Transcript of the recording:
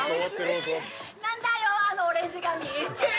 なんだよあのオレンジ髪